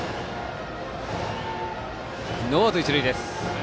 ノーアウト、一塁です。